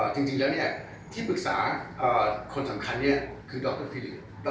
จริงแล้วที่ปรึกษาคนสำคัญคือดรธิริน